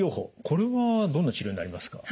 これはどんな治療になりますか？